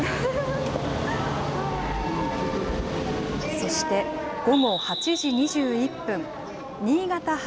そして、午後８時２１分、新潟発